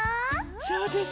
そうです。